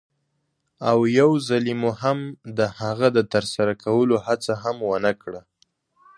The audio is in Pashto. او یوځلې مو هم د هغه د ترسره کولو هڅه هم ونه کړه.